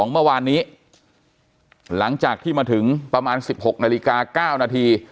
เมื่อวานนี้หลังจากที่มาถึงประมาณ๑๖นาฬิกา๙นาที